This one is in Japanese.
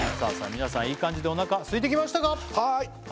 皆さんいい感じでおなかすいてきましたか？